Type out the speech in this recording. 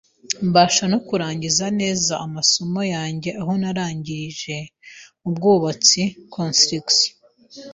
mbasha no kurangiza neza amasomo yanjye aho narangije mu bwubatsi (Construction).